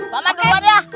pak man keluar ya